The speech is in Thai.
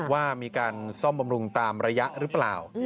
ว่ามีการซ่อมบำรุงตามระยะหรือเปล่า